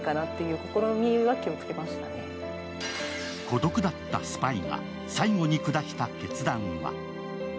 孤独だったスパイが最後に下した決断は？